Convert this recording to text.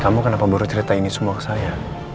kamu kenapa baru cerita ini semua ke saya